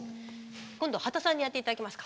今度は刄田さんにやって頂きますか。